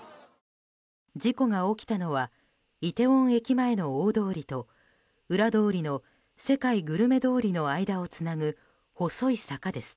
事故が起きたのはイテウォン駅前の大通りと裏通りの世界グルメの間をつなぐ細い坂です。